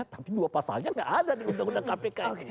tapi dua pasalnya nggak ada di undang undang kpk